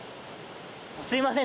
すみません